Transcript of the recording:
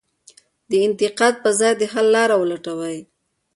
د انتقاد په ځای د حل لار ولټوئ.